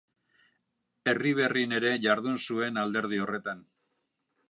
Erriberrin ere jardun zuen alderdi horretan.